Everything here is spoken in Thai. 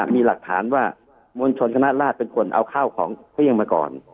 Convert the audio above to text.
มีหลักฐานว่ามวลชนคณะราชเป็นคนเอาข้าวของเครื่องมาก่อน